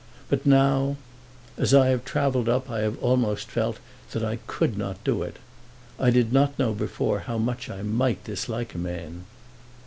But now . As I have travelled up I have almost felt that I could not do it! I did not know before how much I might dislike a man."